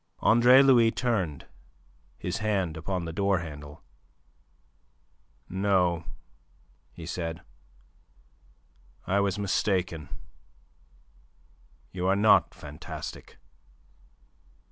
Andre Louis turned, his hand upon the door handle. "No," he said, "I was mistaken. You are not fantastic.